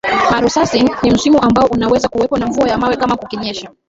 Morusasin ni msimu ambao unaweza kuwepo na mvua ya mawe kama kukinyesha